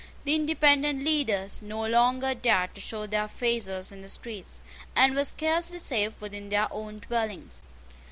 The Independent leaders no longer dared to show their faces in the streets, and were scarcely safe within their own dwellings.